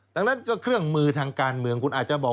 ดังนั้นก็เครื่องมือทางการเมืองคุณอาจจะบอก